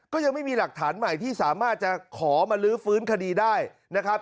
ก็ยังไม่มีหลักฐานใหม่ที่สามารถจะขอมาลื้อฟื้นคดีได้นะครับ